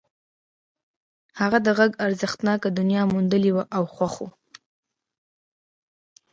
هغه د غږ ارزښتناکه دنيا موندلې وه او خوښ و.